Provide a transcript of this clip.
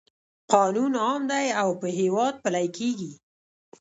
قانون عام دی او په هیواد پلی کیږي.